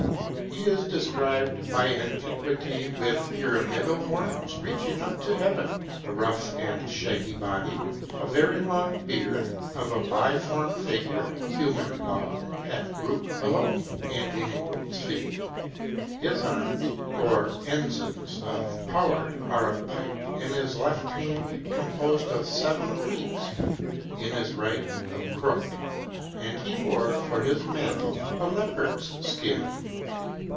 He is described by antiquity, with pyramidal horns reaching up to heaven, a rough and shaggy body, a very long beard, of a biform figure, human above, half brute below, ending in goat's feet. His arms, or ensigns of power, are, a pipe in his left hand, composed of seven reeds; in his right a crook; and he wore for his mantle a leopard's skin.